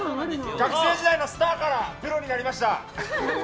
学生時代のスターからプロになりました。